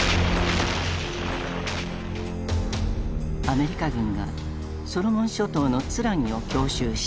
アメリカ軍がソロモン諸島のツラギを強襲した。